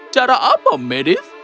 cara apa medivh